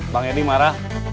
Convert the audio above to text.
bang edi marah